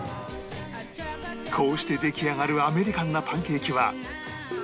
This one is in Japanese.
こうして出来上がるアメリカンなパンケーキは